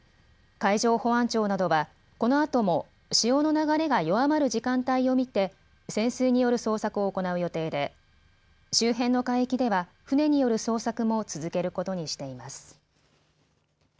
海上保安庁などはこのあとも潮の流れが弱まる時間帯を見て潜水による捜索を行う予定で周辺の海域では船による捜索も続けることにしています。